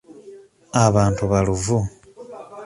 Abantu baluvu.